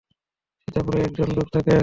সীতাপুরে একজন লোক থাকে।